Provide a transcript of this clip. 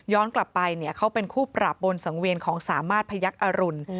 กลับไปเนี่ยเขาเป็นคู่ปราบบนสังเวียนของสามารถพยักษรุณ